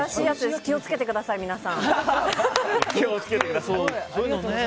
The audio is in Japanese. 気を付けてください、皆さん。